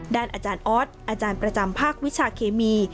อาจารย์ออสอาจารย์ประจำภาควิชาเคมี